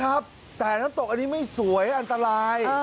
ใช่แต่น้ำตกนี้ไม่สวยอันตราย